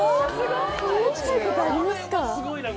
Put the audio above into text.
こんな近いことありますか？